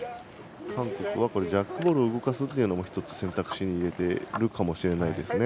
韓国はジャックボールを動かすのも１つ選択肢に入れているかもしれないですね。